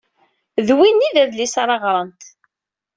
D win ay d adlis ara ɣrent.